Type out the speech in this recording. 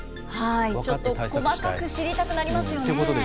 ちょっと細かく知りたくなりますよね。